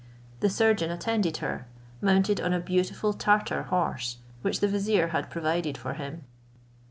The surgeon attended her, mounted on a beautiful Tartar horse which the vizier had provided for him.